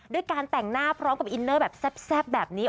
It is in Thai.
การแต่งหน้าพร้อมกับอินเนอร์แบบแซ่บแบบนี้